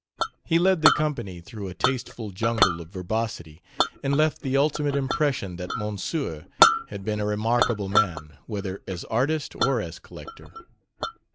He led the company through a tasteful jungle of verbosity, and left the ultimate impression that Monsieur had been a remarkable man, whether as artist or as collector.